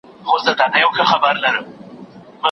زه به مي ولي لا توبه پر شونډو ګرځومه